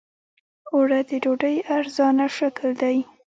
اوړه د ډوډۍ ارزانه شکل دی